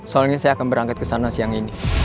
soalnya saya akan berangkat ke sana siang ini